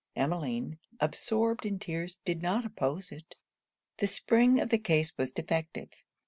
Emmeline, absorbed in tears, did not oppose it. The spring of the case was defective.